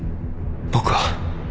僕は